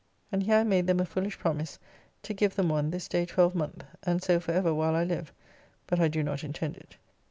and here I made them a foolish promise to give them one this day twelvemonth, and so for ever while I live, but I do not intend it.